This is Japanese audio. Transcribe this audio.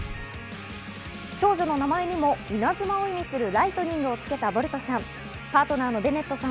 長女の名前にも稲妻を意味するライトニングをつけたボルトさん。